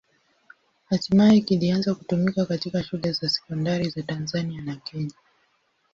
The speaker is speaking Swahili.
Hatimaye kilianza kutumika katika shule za sekondari za Tanzania na Kenya.